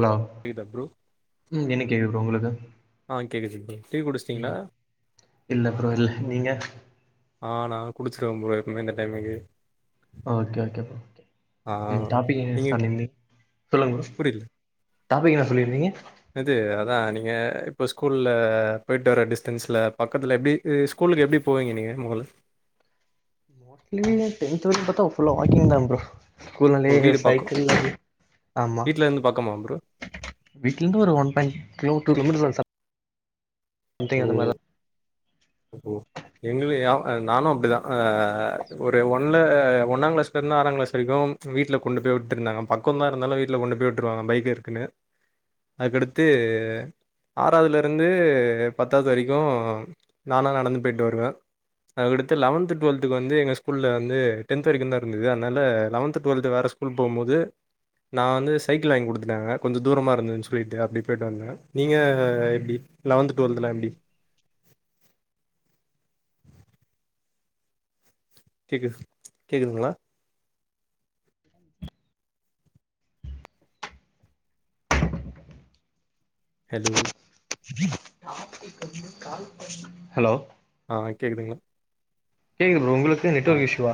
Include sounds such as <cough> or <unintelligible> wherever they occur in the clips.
Hello புரியுதா bro ம் என்ன கேக்குக்குது ப்ரோ உங்களுக்கு ஆ கேக்குது ப்ரோ டீ குடிச்சிட்டீங்களா ம் இல்ல ப்ரோ இல்ல நீங்க ஆ நா குடிச்சிருவோ ப்ரோ எப்பிமே இந்த டைமிங்கு ஆ ஓகே ஓகேப்பா ஆ ம் டாபிக்ன <unintelligible> நீங்க சொல்லுங்க ப்ரோ புரியல டாப்பிக் என்னா சொல்லிருந்தீங்க இது அதா நீங்க இப்போ ஸ்கூல்ல போயிட்டு வர டிஸ்டன்ஸ்ல பக்கத்துல எப்பிடி ஏ ஸ்கூலுக்கு எப்பிடி போவீங்க நீங்க மொதல மோஸ்லி டென்த் வரை பாத்தா புல்லா வாக்கிங் தா ப்ரோ ஸ்கூல்லந்தே ஓ வீடு பக்கோ சைக்கிள் ஆமா வீட்ல இருந்து பக்கமா ப்ரோ வீட்லருந்து ஒரு ஒன் பாயின் கிலோமீட்டர் லிமிட் தா சார் ஓ <inaudible> ஒ ஓ எங்கலயா அ நானு அப்பிடிதா ஆ ஒரு ஒன்ல ஒன்னாங் கிளாஸ்ல இருந்து ஆறா கிளாஸ் வரைக்கு வீட்ல கொண்டு போய் விட்ருந்தாங்க பக்கோந்தா இருந்தாலு வீட்ல கொண்டு போய் விட்ருவாங்க பைக் இருக்குனு அதுக்கடுத்து ஆறாவதுல இருந்து பத்தாவது வரைக்கு நானா நடந்து போய்ட்டு வருவே அதுக்கடுத்து லெவன்த் டுவல்த்துக்கு வந்து எங்க ஸ்கூல்ல வந்து டென்த் வரைக்குந்தா இருந்தது அதனால லவன்த்து டுவல்த்து வேற ஸ் கூல் போம்போது நா வந்து சைக்கிள் வாங்கி குடுத்துட்டாங்க கொஞ்ச தூரமா இருந்துனு சொல்ட்டு அப்பிடி போய்ட்டு வந்தே நீங்க எப்பிடி லெவன்த் டுவல்தல எப்பிடி கேக்குது கேக்குதுங்களா ஹலோ ஹலோ ஆ கேக்குதுங்களா கேக்குது ப்ரோ உங்குளுக்கு நெட்ஒர்க் இஷ்யுவா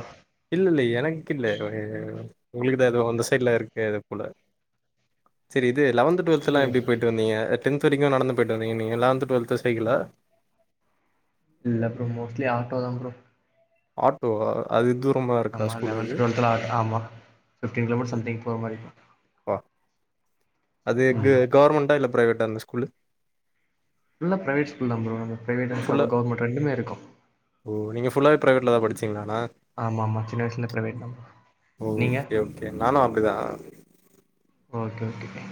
இல்ல இல்ல எனக்கு இல்ல உங்களுக்குதா எதோ அந்த சைட்ல இருக்கு அது போல சேரி இது லவன்து டுவல்த்துலா இல்ல எப்பிடி பேயிட்டு வந்திங்க அ டென்த் வரைக்கு நடந்து போயிட்டு வந்திங்கனிங்க லவன்த் டுவெல்த் சைகிளா இல்ல புரோ மோஸ்ட்லி ஆட்டோ தா புரோ ஆட்டோ வா அது தூரமா இருக்கா ஆமா ஸ்கூல் அது <unintelligible> ஆமா ஃபிஃப்டீன் கிலோமீட்டர் சம்திங் போற மாரி ஓகேப்பா அது க ம் கவர்மெண்ட்டா இல்ல பிரைவேட்டா அந்த ஸ்கூலு ஃபுல்லா பிரைவேட் ஸ்கூல் தா புரோ பிரைவேட் க ஃபுல்லாக கவர்மெண்ட் ரெண்டுமே இருக்கு ஓ நீங்க ஃபுல்லாவே பிரைவேட்ல தா படிச்சிங்களா அண்ணா ஆமா ஆமா சின்ன வயசுல பிரைவேட் தான் ப்ரோ. ஓ நீங்க ஓகே ஓகே நானு அப்டிதா ஓகே ஓகே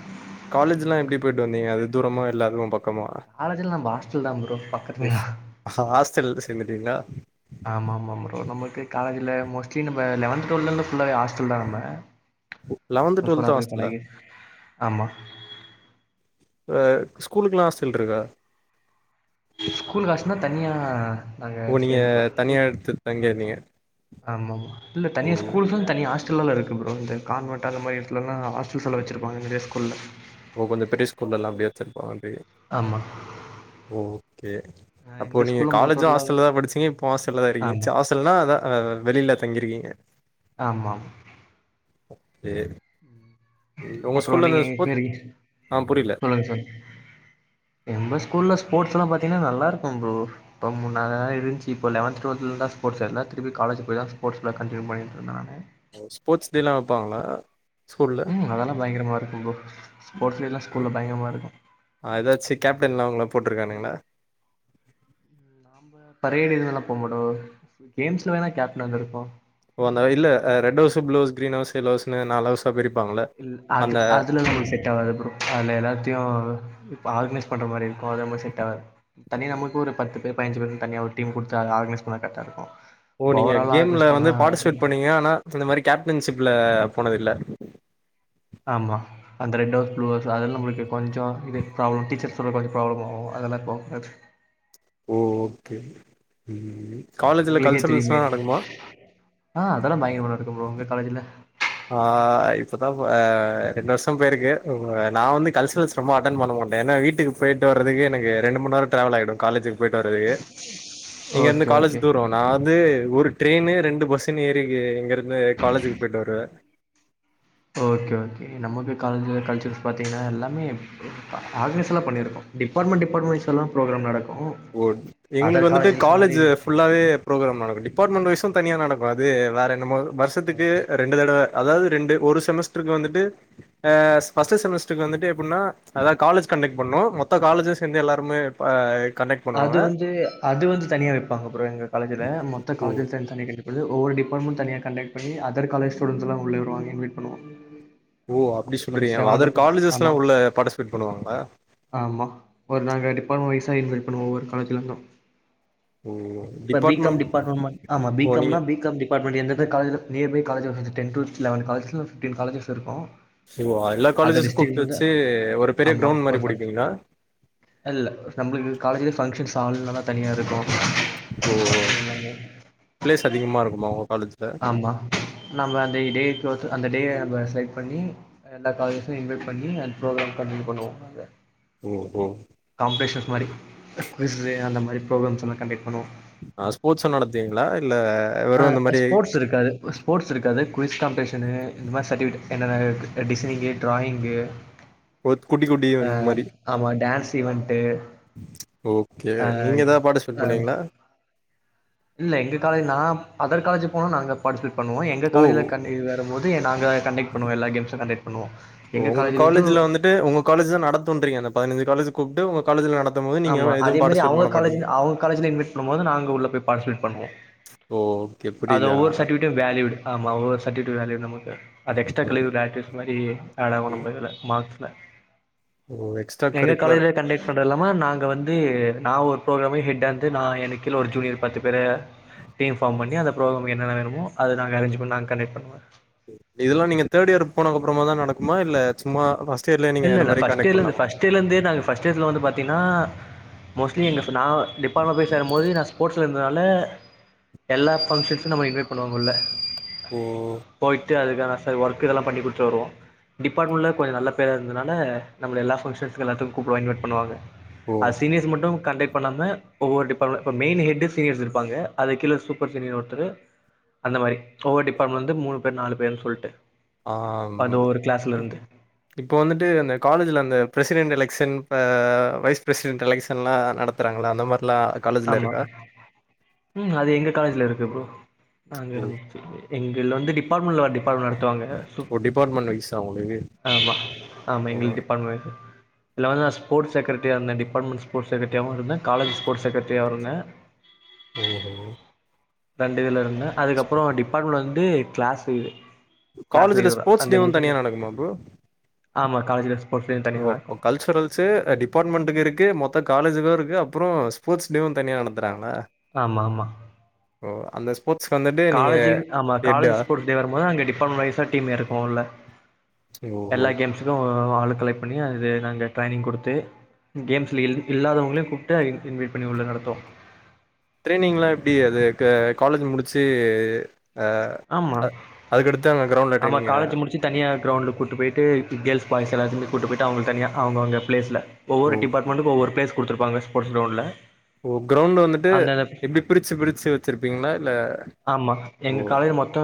காலேஜ்லா எப்டி பேயிட்டு வந்திங்க அது தூரமா இல்ல அதுவு பக் க்கமா காலேஜ்ல நம்ம ஹாஸ்டல் தான் ப்ரோ பக்கத்துலயா ஸ் ஹாஸ்டல் சேந்துட்டீங்களா ஆமா ஆமா புரோ நம்மளுக்கு காலேஜ்ல மோஸ்ட்லி நம்ப லெவன்த் டுவல்த் ஃபுல்லாவே ஹாஸ் ஸ்டல் தா நம்ப லெவன்த் டுவெல்த் அப்பிடி ஹாஸ்டலா பழகிருச்சு ஆமா அ ஸ்கூலுக்குலா ஹாஸ்டல் இருக்கா ஸ்கூல் ஹாஸ்னா தனியா நாங்க ஓ நீங்க சேந்துப்போ தனியா எடுத்து தங்கி இருந்தீங்க ஆமாம் இல்ல தனியா ஸ்கூலுக்கு தனியா ஹாஸ் ஜீல்லால இருக்கு ப்ரோ அது கான்வென்ட் அந்த மாரி இடத்துலலா ஹாஸ்டல்ஸ்லா வச்சிருப்பாங்க நெறையா ஸ்கூல்ல ஓ கொஞ்ச பெரிய ஸ்கூல்லலா அப்டியே வச்சிருப்பாங்க அப்டி ஆமா ஓகே அஹ் அப்போ எங்க நீங்க ஸ்கூல்ல காலேஜு மோட்டோர்லா ஹஸ்டல் தா படிச்சீங்க இப்போ ஹாஸ்டல தா இருக்கீங்க ஆமா ச ஹாஸ் டல்னா அதா வெளில தங்கியிருக்கீங்க ஆமா சேரி அப்புற நீங்க எ எங்க இருக்கீங்க ஆ புரியல சொல்லுங்க சார் எம்ப ஸ்கூல்ல ஸ்போர்ட்ஸ் எல்லா பாத்தீங்கன்னா நல்லா இருக்கு ஃப்ரோ இப்போ முன்னா தா இருந்துச்சு இப்ப லவன்த டுவல்துல இருந்து தா ஸ்போட்ஸ் எல்லா திருப்பி காலேஜ் போய் தா ஸ்போர்ட்ஸ்லா கண்டினியூ பண்ணிட்ருக்காங்க ஸ்போர்ட்ஸ் டே லா வப்பாங்களா ஸ்கூல்ல ம் அதெல்லா பயங்கரமா இருக்கு ஸ்போர்ட்ஸ் டே லா ஸ்கூல்ல பயங்கரமா இருக்கு ஆ ஏதாச்சு கேப்டன்கலா ஒங்கள போட்ருக்கானுங்களா பரேட் இதெல்லா போ மாட்டோ கேம்ஸ்ல வேணா கேப்டனா இருந்துருப்போ ஒ அந்த இல்ல அ red house blue house green house yellow ஹவுஸ்னு நாலு ஹவுஸா பிரிப்பாங்களா இல் அது அதுலலா நம்மளுக்கு செட் ஆகாது ப்ரோ அதுல எல்லாத்தையு இப்ப ஆர்கனைஸ் பண்ற மாரி இரு மோ அது நம்மளுக்கு செட் ஆவாது தனி நமக்கு ஒரு பத்து பேர் பயஞ்சு பேர்னு தனியா டீம் குடுத்து அத ஆர்கனைஸ் பண்ணா கரெக்டா இருக்கு ஓ நீங்க ஓவராலா கேம்ல ஆர்கனைஸ் வந்து பண்ணா பார்ட்டிசிபேட் பண்ணீங்க ஆனா இந்த மாரி கேப்டன்ஷிப்ல போனது இல்ல ஆமா அந்த ரெட் ஹவுஸ் ப்ளு ஹவுஸ் அதல்லா நம்ம கொஞ்சோ இது ப்ராப்ளம் டீச்சர் சொல்ற கொஞ்ச ப்ராப்ளம் ஆகு அதெல்லா போ கூடாது ஓ ஓகே ம் காலேஜில உங்களுக்கே தெரியுமே! கல்சுரல்ஸ்லா நடக்குமா ஆ அதல்லா பயங்கரமா நடக்கு ப்ரோ உங்க காலேஜ்ல ஆ இப்பதா ப அ ரெண்டு வருஷ போயிருக்கு நா வந்து கல்ச்சுரல்ஸ் ரொம்ப அட்டன் பண்ண மாட்டே ஏனா வீட்டுக்கு போயிட்டு வர்றதுக்கு எனக்கு ரெண்டு ம நேர டிராவல் ஆயிடு காலேஜ் போயிட்டு வர்றதுக்கு இங்க ஓகே, இருந்து ஓகே. காலேஜ் தூரோ நா வந்து ஒரு ட்ரெயின்னு ரெண்டு பஸ்ஸுன்னு ஏறி இங்க இருந்து காலேஜுக்கு போயிட்டு வருவே ஓகே ஓகே நமக்கு காலேஜில கல்ச்சுரல்ஸ் பாத்திங்கன்னா எல்லாமே ஆர்கனைஸ்லா பண்ணிருக்கோ டிபார்ட்மெண்ட் டிபார்ட்மெண்ட் வைஸாலா ஃப்ரோக்ராம் நடக்கு ஓ எங்களுக்கு வந்துட்டு காலேஜு ஃபுல்லாவே ஃப்ரோகிராம் நடக்கு டிபார்ட்மெண்ட் வைஸூ தனியா நடக்கு அது வேற என்னமாவது வருஷத்துக்கு ஓகே. ரெண்டு தடவ அதாவது ரெண்டு ஒரு செமஸ்ட்ருக்கு வந்துட்டு ஆ ஃபர்ஸ்ட்டு செமஸ்ட்ருக்கு வந்துட்டு எப்டின்னா அதாது காலேஜ் கண்டெக்ட் பண்ணு மொத்த காலேஜு சேர்ந்து எல்லாருமே பா கன்டெக்ட் அது வந்து அது வந்து தனியா வைப்பாங்க ப்ரோ எங்க காலேஜ்ல மொத்த ஓ காலேஜும் சேந்து ஒவ்வொரு டிஃபார்ட்மெண்ட்டு தனியா கன்டெக்ட் பண்ணி அதர் காலேஜ் ஸ்டூடண்ட்ஸ்லா உள்ள வருவாங்க இன்வைட் பண்ணுவோ ஓ அப்டி சொல்றியா அதர் காலேஜஸ்லா ஆமா. உள்ள பார்டிஸிபேட் பண்ணுவாங்களா ஆமா ஒரு நாங்க டிபார்ட்மெண்ட் வைசா இன்வைட் பண்ணுவோ ஒவ்வொரு காலேஜ்ல இருந்து ஓ இப்ப பீ காம் டிபார்ட்மெண்ட் டிப்பார்மெண்ட் மட் ஆம பீ ஓ காம் நீங்க னா பீ காம் டிப் பாரட்மெண்ட் எந்தெந்த காலேஜ்ல நியர் பை காலேஜ்ல வந்து டென் டூ லெவன் காலேஜஸ்லருந்து ஃபிப்டீன் காலஜஸ் இருக்கு இவ்வா எல்லா அந்த காலேஜ்ஸு டிஸ்ட்ரிக்ட்ல கூப்ட்டு இருந்து வச்சு ஒரு பெரிய ஆமா கிரௌண்ட் ஒரு மாரி ஃபங்க்ஷன் புடிப்பீங்கங்களா இல்ல நம்மளுக்கு காலேஜ்லயே பங்க்ஷன்ஸ் ஹால்லா தனியா இருக்கு ஓ எல்லாமே பிளேஸ் அதிகமா இருக்குமா உங்க காலேஜ்ல ஆமா நம்ம அந்த டேக்கு அந்த டே நம்ம செலக்ட் பண்ணி எல்லா காலேஜஸு இன்வைட் பண்ணி அண்ட் ஃப்ரோக்ராம் கண்டெக்ட் பண்ணுவோ நாங்க ம் ம் காம்பெடிஷன்ஸ் மாரி குவிஸ்ஸு அந்த மாரி ஃப்ரோக்ராம்ஸ் எல்லா கண்டெக் பண்ணுவோ ஆ ஸ்போர்ட்ஸு நடத்துவிங்களா இல்ல ஆ வெறு இந்த மாரி ஸ்போர்ட்ஸ் இருக்காது ஸ்போர்ட்ஸ் இருக்காது குவிஸ் காம்பட்டிஷன் இந்த மாரி சர்ட்பிகேட் என்னென்ன டிசைனு ட்ராயிங்கு ஒரு குட்டி குட்டி ஆ ஈவென்ட் மாரி ஆமா டான்ஸ் ஈவென்ட் ஓகே நீங்க எதா பார்ட்டிசிபேட் ஆ பண்ணுவீங்களா இல்ல எங்க காலேஜ்ல நா அதர் காலேஜ் போனா நாங்க பார்ட்டிசிபேட் பண்ணுவோ எங்க ஓ காலேஜ்ல ருந்து வரம்போது நாங்க கண்டெக்ட் பண்ணுவோ எல்லா கேம்ஸூ கண்டெக்ட் பண்ணுவோ எங்க உங்க காலேஜ்லருந்து காலேஜ்ல வந்துட்டு உங்க காலேஜ் தா நடந்துன்றீங்க அந்த பதினஞ்சி காலேஜ் கூப்பிட்டு உங்க காலேஜ்ல நடத்தும் போது நீங்க ஆமா எதுவும் அதே மாரி பார்ட்டிசிபேட் அவுங்க பண்ண மாட்டீங்க காலேஜ்ல அவுங்க காலேஜ்ல இன்வைட் பண்ணும்போது நாங்க உள்ள போயி பார்ட்டிசிபேட் பண்ணுவோ ஓ ஓகே அது புரியுதா ஒவ்வொரு சர்டிஃபிகேட்டும் வேல்யூடு ஆமா ஒவ்வொரு சர்டிபிகேட்டு வேல்யூடு நமக்கு அது எக்ஸ்ட்ரா ஓ கரிக்குலர் ஆகஸ்டில் மாதிரி ஆட் ஆகும் ஓ நம்ம இதுல மார்கஸ்ல ஓ எக்ஸ்ட்ரா எங்க கரிக்குலர் காலேஜ்லயே கண்டெக்ட் பண்றாதுலா நாங்க வந்து நா ஒரு ப்ரோக்ராமுக்கே ஹெட்டா இருந்து நா எனக்கீழ ஒரு ஜூனியர் பத்து பேர இன்பார்ம் பண்ணி அந்த ப்ரோக்ராமுக்கு என்னென்ன வேணுமோ அத நாங்க அரேஞ் பண்ணி நா கண்டெக்ட் பண்ணுவே இதெல்லா நீங்க தேர்டு இயர் போனதுக்கு அப்புறமா தா நடக்குமா இல்ல சும்மா ஃபர்ஸ்ட் இயர்லயே நீங்க இந்த மாரி கண்டெக்ட் பண்ணலாமா அப்பயலுருந்தே நாங்க ஃபர்ஸ்ட் இயர்ஸ்லா வந்து பா்த்தீங்கன்னா மோஸ்ட்லி எங்க நா டிபார்ட்மெண்ட்ல போயி சேரம்போது நா ஸ்போர்ட்ஸ்ல இருந்தனால எல்லா ஃபங்க்ஷனுக்கு நம்மள இன்வைட் பண்ணுவாங்க உள்ள ஓ போயிட்டு அதுக்கான ஒர்க் இதெல்லா பண்ணி குடுத்துட்டு வருவோ டிப்பார்ட்மெண்ட்ல கொஞ்சோ நல்லா இருந்தனால நம்மள எல்லா பங்க்ஸன்ஸ்க்கு எல்லாத்துக்கு கூப்டுவாங்க இன்வைட் பண்ணுவாங்க ஓ அது சீனியர்ஸ் மட்டும் கண்டெக்ட் பண்ணாம ஒவ்வொரு டிபார்ட்மெண்ட் இப்ப மெயின் ஹெட் சீனியர்ஸ் இருப்பாங்க அதுக்கு கீழ சூப்பர் சீனியர் ஒருத்தரு அந்த மாரி ஒவ்வொரு டிப்பார்ட்மெண்ட்ல இருந்து மூணு பேரு நாலு பேருன்னு சொல்ட்டு ஆம், அது ஒவ்வொரு இப்- கிளாஸ்லருந்து இப்போ வந்துட்டு அந்த காலேஜ்ல அந்த பிரெசிடென்ட் எலெக்ஸன் அ வைஸ் பிரசிடென்ட் எலெக்ஷன்லா நடத்த விட்றாங்களா அந்த மாதிரிலா ஆமா ம் அது எங்க காலேஜ்ல இருக்கு ப்ரோ ஆ ஓ இருந்துச்சு எங்கள வந்து டிபார்ட்மெண்ட்டில வேர டிபார்ட்மெண்ட் நடத்துவாங்க ஓ டிபார்ட்மெண்ட் வைஸா உங்களுக்கு ஆமா ஆமா எங்களுக்கு டிப்பார்ட்மெண்ட் இதுல வந்து நா ஸ்போர்ட்ஸ் செக்ரட்டியா இருந்த டிபார்ட்மெண்ட் ஸ்போர்ட்ஸ் செக்ரட்டியாவும் இருந்த காலேஜ் ஸ்போர்ட்ஸ் செக்ரட்டியாவும் இருந்த ஓ ரெண்டு இதுல இருந்த அதுக்கப்புறம் டிபார்ட்மெண்ட் வந்து கிளாஸ் இது கிளாஸ் காலேஜ்ல லிடரா ஸ்போர்ட்ஸ் அந்த எப்படி டேவும் தனியா சொல்ல நடக்குமா ப்ரோ ஆமா காலேஜ்ல ஸ்போர்ட்ஸ் டே ஓ தனியா தா அப்போ இருக்கு கல்ச்சுரல் ஸு டிபார்ட்மெண்ட்டுக்கு இருக்கு மொத்த காலேஜ்ல இருக்கு அப்புறம் ஸ்போர்ட்ஸ்டேவும் தனியா நடத்துறாங்களா ஆமா ஆமா ஓ அந்த ஸ்போர்ட்ஸ் வந்துட்டு நீங்க காலேஜுக்குன் ஆமா ஹெட்டா காலேஜ் ஸ்போர்ட்ஸ் வரும்போது அங்க டிபார்ட்மெண்ட் வைஸா டீம் எறக்குவோம்ல ஓ எல்லா கேம்ஸுக்கும் ஆள கலெக்ட் பண்ணி அது நாங்க ட்ரைனிங் குடுத்து கேம்ஸ்ல இல் இல்லாதவங்களையும் கூப்ட்டு இன் இன்வைட் பண்ணி உள்ள நடத்துவோம் ட்ரெய்னிங்லாம் எப்படி அது காலேஜ் முடிச்சு அ ஆமா அ அதுக்கடுத்து அங்க கிரௌண்டல ஆமா ட்ரைனிங்கா காலேஜ் முடிச்சு தனியா கிரௌண்ட்ல கூட்டு போய்ட்டு கேர்ள்ஸ் பாய்ஸ் எல்லாத்தையுமே கூட்டு போய்ட்டு அவுங்க தனியா அவுங்கவுங்க பிளேஸ்ல ஒவ்வொரு ஓ டிபார்ட்மெண்ட்க்கும் ஒவ்வொரு ப்ளேஸ் குடுத்து இருப்பாங்க ஸ்போர்ட்ஸ் கிரௌண்ட்ல ஓ கிரௌண்ட் வந்துட்டு எப்படி பிரிச்சு பிரிச்சு வச்சிருப்பீங்களா இல்ல ஆமா ஓ எங்க காலேஜ்ல மொத்தோ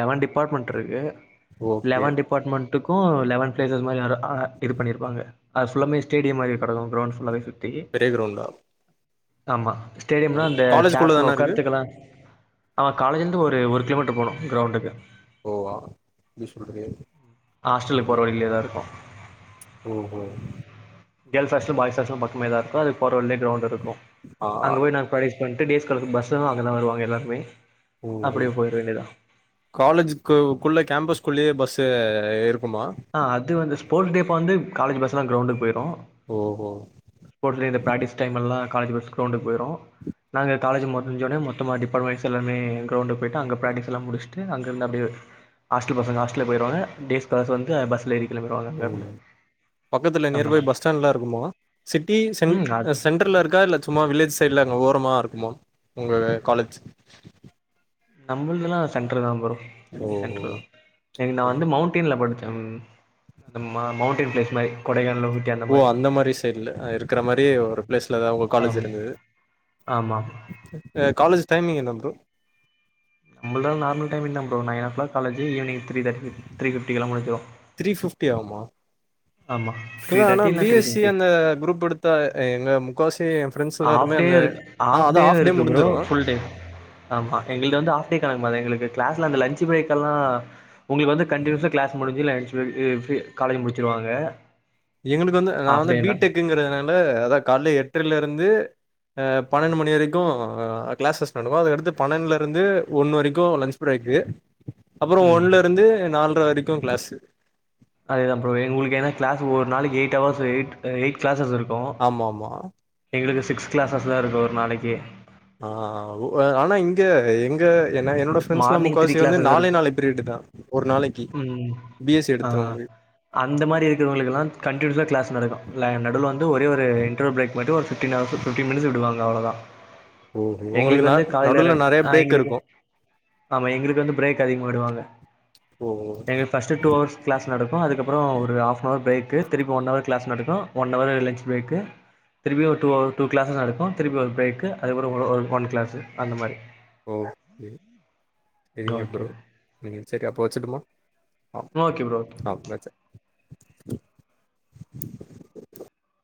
லெவன் டிபார்ட்மெண்ட் இருக்கு ஓகே லெவன் டிபார்ட் அப்பார்ட்மெண்ட்டுக்கும் லெவன் பிளேசஸ் மாதிரி இது பண்ணியிருப்பாங்க அது ஃபுல்லாமே ஸடேடியம் மாதிரி கெடக்கும் க்ரௌண்டு ஃபுல்லாவே பெரிய கிரௌண்டா ஆமா ஸ்டேடியம்ல அந்த காலேஜ்க்குள்ள சார்ஸ்ல தானே இருக்கு உக்காந்துக்கலா ஆமா காலேஜ்ல இருந்து ஒரு ஒரு கிலோமீட்டர் போணும் கிரௌண்ட்டுக்கு ஓ <unintelligible> ஹாஸ்டலுக்கு போற வழியிலே தா இருக்கும் ஓஹோ கேர்ள்ஸ் ஹாஸ்டல் பாய்ஸ் ஹாஸ்டல் பக்கமே தா இருக்கும் அதுக்கு போற வழியிலே கிரௌண்ட் இருக்கும் ஆ அங்க போய் நாங்க ப்ரக்டிஸ் பண்ட்டு டேஸ்காலர்ஸும் பஸ்ல தா அவுங்க எல்லா வருவாங்க எல்லாருமே ஓரு அப்டியே போயிர வேண்டியதா காலேஜுக்கு குள்ள கேம்பஸ்க்குள்ளே பஸ்சு இருக்குமா ஆ அது வந்து ஸ்போர்ட்ஸ்டே அப்ப வந்து காலேஜ் பஸ்லா கிரௌண்டுக்கு போயிடும் ஓஹோ போட்லே இந்த பிரக்டிஸ் டைம் எல்லா காலேஜ் பஸ் கிரௌண்டுக்கு போயிரும் நாங்க காலேஜ் முடிஞ்சோனே மொத்தமா டிப்பார்ட்மென்ட் வைஸா எல்லாமே கிரவுண்டுக்கு போய்ட்டு அங்க பிரக்டிஸ்லா முடிச்சுட்டு அங்கருந்து அப்டியே ஹாஸ்டல் பசங்க ஹாஸ்டல் போயிருவாங்க டேஸ் காலர்ஸ் வந்து பஸ்ல எறி ம் <unintelligible> பக்கத்துல அந்த நியர்பை மாரி பஸ் ஸ்டாண்ட்லா இருக்குமா சிட்டி சென் ம் அது சென்டர்ல இருக்கா இல்ல சும்மா வில்லேஜ் சைட்ல அங்க ஓரமாக இருக்குமா உங்க காலேஜ் நம்மள்துலாம் சென்டரு தா ப்ரோ ஓஹோ சென்டரு தா எங் நா ம். வந்து மௌண்டின்ல படிச்ச அந்த மௌண்டைன் பிளேஸ் மாரி கொடைகானல் ஓ அந்த மாரி சைட்ல இருக்கிற மாரி ம் ஒரு ப்ளேஸ்ல தா உங்க காலேஜ் இருந்துது ஆமா ஆமா அ காலேஜ் டைமிங் என்ன ப்ரோ நம்ளுதா நார்மல் டைமிங்தா bro nine o'clock college evening three தேட்டி ஃபை த்ரீ ஃபிப்டிக்கலா முடிஞ்சிரு த்ரீ ஃபிப்டி ஆவுமா ஆமா த்ரீ இதா ஆனா தேர்ட்டி இல்ல B three S C fifty அந்த குரூப் எடுத்தா எ எங்க முக்காவாசி என் ஃப்ரெண்ட்ஸ் ஹாஃப் எல்லாருமே டே அந்த இருக்கு ஆ ஹாஃப் அது டேவு ஆஃப் டே இருக்கு ப்ரோ முடிஞ்சுரு ஃபுல் டே ஆமா எங்கள்து வந்து ஆஃப் டே கணக்கு மாரி தா எங்களுக்கு க்ளாஸ்லா அந்த லஞ்சு பிரேக்கல்லா உங்களுக்கு வந்து கண்டினியூஸா க்ளாஸ் முடிஞ்சு லஞ்ஜ் பிரேக் காலேஜ்ஜ முடிச்சிருவாங்க எங்களுக்கு வந்து நா ஹாஃப் வந்து பீ டேனா டெக்கு ங்கறதுனால அதா கால்ல எட்ரலேருந்து அ பன்னெண்டு ம் மணி வரைக்கூ க்ளாஸஸ் நடக்கூ அதுக்கடுத்து பன்னண்டுல ருந்து ஒன்னு வரைக்கூ லன்ச் பிரேக்கு அப்புறோ ம் ஒன்னுலருந்து நால்ர வரைக்கூ க்ளாசு அதேதா ப்ரோ எ உங்களுக்கு ஏன்னா க்ளாஸ் ஒரு நாளைக்கி eight hours eight eight classes இருக்கூ ஆமா ஆமா எங்களுக்கு சிக்ஸ் கிளாஸஸ் தா இருக்கூ ஒரு நாளைக்கி ஆ ஓ அ ஆனா இங்க எங்க என்ன என்னோட ஃபிரெண்ட்ஸ்லா மார்னிங் த்ரீ முக்காவாசி வந்து கிளாஸஸ் நாலே இருக்கு நாலே பிரியட் தா ஒரு நாளைக்கி ம் பி எஸ் சி ஆ எடுத்தவுங்களுக்கு அந்த மாரி இருக்கிறவுங்களுக்குலா கண்டினியூயஸ்ஸா க்ளாஸ் நடக்கும் ல நடுல வந்து ஒரே ஒரு இன்ரோல் ப்ரேக் மட்டு ஒரு ஃபிப்டின் ஹவர்ஸ் ஃபிப்டின் மினிட்ஸ் விடுவாங்க அவ்ளோ தா ஓஹோ! உங்களுக்கு எங்களுக்கு ந வந்து காலைல நடுவுல ரென் நெறைய ஆ பிரேக் எங்களுக்கு இருக்கும். ஆமா எங்களுக்கு வந்து பிரேக் அதிகமா விடுவாங்க ஓ ஃபஸ்ட்டு டூ ஹவர்ஸ் க்ளாஸ் நடக்கூ அதுக்கப்புறோ ஒரு ஆஃப் நவர் பிரேக்கு திருப்பி ஒன் ஹவர் க்ளாஸ் நடக்கூ ஒன் அவரு லஞ்ச்சு பிரேக்கு திருப்பி ஒரு டூ டூ க்ளாஸஸ் நடக்கூ திருப்பி ஒரு பிரேக்கு அதுப்புறோ ஒரு ஒன் கிளாஸு அந்த மாரி ஓகே செரிங்க ஓகே ப்ரோ செரி அப்போ வச்சுட்டுமா ஆ ஓகே ப்ரோ ஓகே ஆ வச்ச